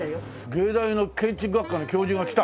藝大の建築学科の教授が来た？